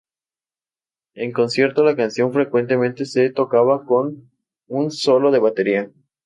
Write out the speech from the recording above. En concierto, la canción frecuentemente se tocaba con un "solo de batería".